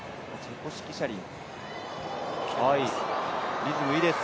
リズムいいです。